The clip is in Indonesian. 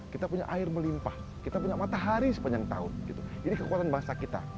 kita punya air melimpah kita punya matahari sepanjang tahun ini kekuatan bangsa kita